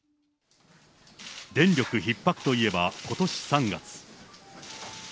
電力ひっ迫といえばことし３月。